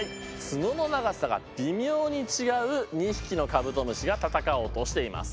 角の長さが微妙に違う２匹のカブトムシが戦おうとしています。